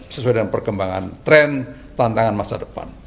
sesuai dengan perkembangan tren tantangan masa depan